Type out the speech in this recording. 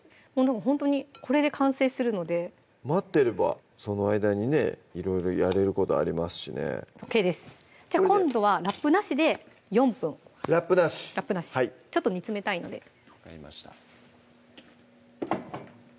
ほんとにこれで完成するので待ってればその間にねいろいろやれることありますしねＯＫですじゃあ今度はラップなしで４分ラップなしはいちょっと煮詰めたいので分かりました